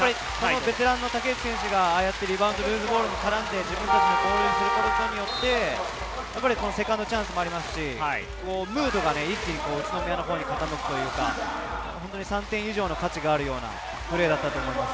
ベテランの竹内選手がルーズボールに絡んで、取ることによってセカンドチャンスもありますし、ムードが一気に宇都宮に傾くというか、３点以上の価値があるようなプレーだったと思います。